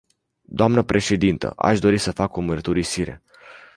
Doamnă președintă, aș dori să fac o mărturisire.